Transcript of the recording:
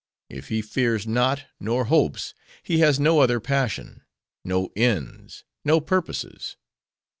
If he fears not, nor hopes,—he has no other passion; no ends, no purposes.